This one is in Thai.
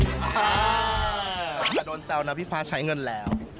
แต่โดนแซวนะพี่ฟ้าใช้เงินแล้ว